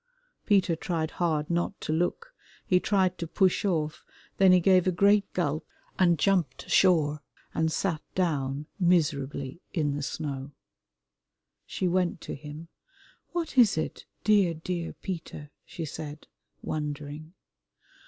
Peter tried hard not to look, he tried to push off, then he gave a great gulp and jumped ashore and sat down miserably in the snow. She went to him. "What is it, dear, dear Peter?" she said, wondering.